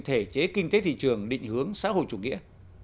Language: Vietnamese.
thể chế kinh tế thị trường định hướng xã hội chủ nghĩa